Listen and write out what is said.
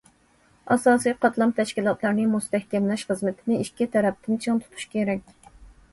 ئاساسىي قاتلام تەشكىلاتلىرىنى مۇستەھكەملەش خىزمىتىنى ئىككى تەرەپتىن چىڭ تۇتۇش كېرەك.